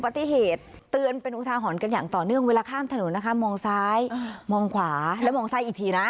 ปฏิเหตุเตือนเป็นอุทาหรณ์กันอย่างต่อเนื่องเวลาข้ามถนนนะคะมองซ้ายมองขวาและมองซ้ายอีกทีนะ